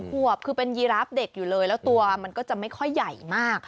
ขวบคือเป็นยีราฟเด็กอยู่เลยแล้วตัวมันก็จะไม่ค่อยใหญ่มาก